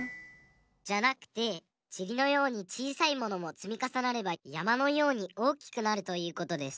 じゃなくてちりのようにちいさいものもつみかさなればやまのようにおおきくなるということです。